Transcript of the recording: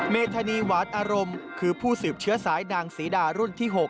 เมธานีหวานอารมณ์คือผู้สืบเชื้อสายนางศรีดารุ่นที่๖